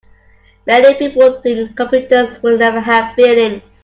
Many people think computers will never have feelings.